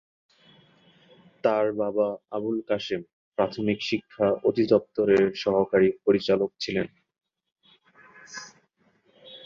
তার বাবা আবুল কাশেম প্রাথমিক শিক্ষা অধিদপ্তরের সহকারী পরিচালক ছিলেন।